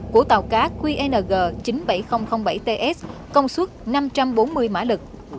của tàu cá qng chín mươi bảy nghìn bảy ts công suất năm trăm bốn mươi mã lực